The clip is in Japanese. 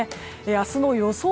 明日の予想